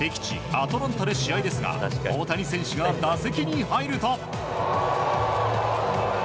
アトランタで試合ですが大谷選手が打席に入ると。